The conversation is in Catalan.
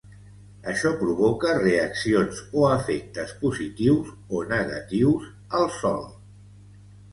Això provoca reaccions o efectes positius o negatius al sòl.